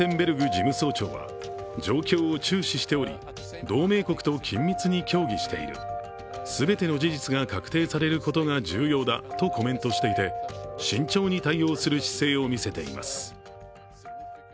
事務総長は、状況を注視しており同盟国と緊密に協議している、全ての事実が確定されることが重要だとコメントしていて、慎重に対応する姿勢を見せています。